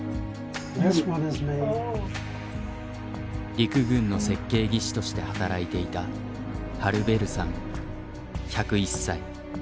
陸軍の設計技師として働いていたハル・ベルさん１０１歳。